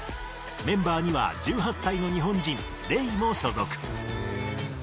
メンバーには１８歳の日本人レイも所属。